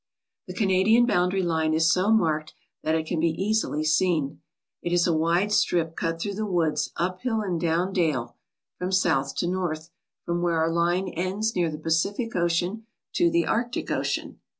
The Canadian boundary line is so marked that it can be easily seen. It is a wide strip cut through the woods up hill and down dale, from south to north, from where our line ends near the Pacific Ocean to the Arctic Ocean.